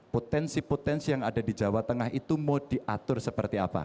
potensi potensi yang ada di jawa tengah itu mau diatur seperti apa